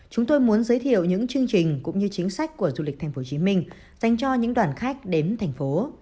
chúng tôi muốn giới thiệu những chương trình cũng như chính sách của du lịch tp hcm dành cho những đoàn khách đến thành phố